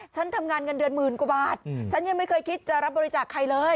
ฉันทำงานเงินเดือนหมื่นกว่าบาทฉันยังไม่เคยคิดจะรับบริจาคใครเลย